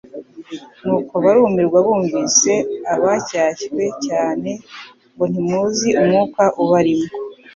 nuko barumirwa bumvise abacyashye cyane ngo: Ntimuzi umwuka ubarimo,